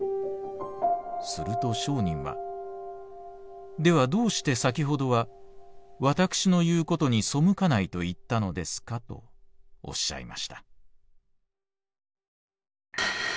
すると聖人は『ではどうして先ほどは私の言うことに背かないと言ったのですか』とおっしゃいました」。